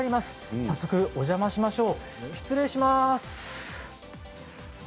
早速、お邪魔しましょう。